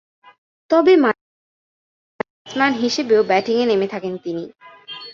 তবে, মাঝে-মধ্যে উদ্বোধনী ব্যাটসম্যান হিসেবেও ব্যাটিংয়ে নেমে থাকেন তিনি।